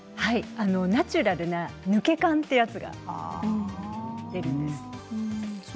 ナチュラルな抜け感というやつが出るんです。